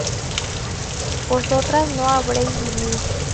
vosotras no habríais vivido